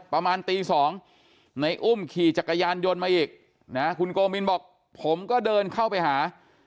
ประมาณตี๒ในอุ้มขี่จักรยานยนต์มาอีกนะคุณโกมินบอกผมก็เดินเข้าไปหา